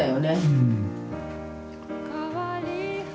うん。